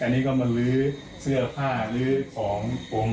อันนี้ก็มันหลือเซือผ้าหลือของ